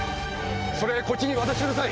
それこっちに渡してください。